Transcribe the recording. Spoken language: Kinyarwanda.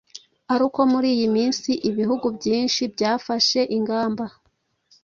ari uko muri iyi minsi ibihugu byinshi byafashe ingamba